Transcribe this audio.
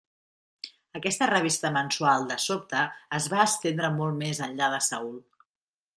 Aquesta revista mensual de sobte es va estendre molt més enllà de Seül.